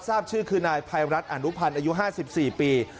ทราบชื่อคือนายภัยลัทธ์อาลุพันธ์อายุห้าสิบสี่ปี